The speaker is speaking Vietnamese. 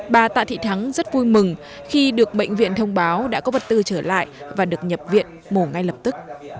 bà tạ thị thắng rất vui mừng khi được bệnh viện thông báo đã có vật tư trở lại và được nhập viện mổ ngay lập tức